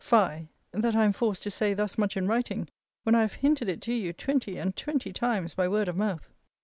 Fie! that I am forced to say thus much in writing, when I have hinted it to you twenty and twenty times by word of mouth!